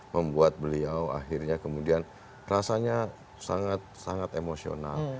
membuat beliau akhirnya kemudian rasanya sangat sangat emosional